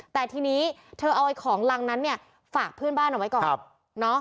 แต่ทีนี้เธอเอาของรังนั้นเนี่ยฝากเพื่อนบ้านเอาไว้ก่อน